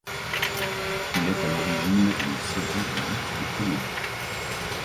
Il est à l'origine d'une série de hits de comédie.